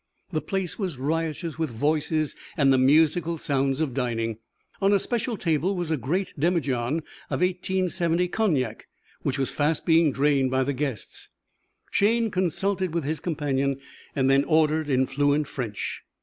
The place was riotous with voices and the musical sounds of dining. On a special table was a great demijohn of 1870 cognac, which was fast being drained by the guests. Shayne consulted with his companion and then ordered in fluent French.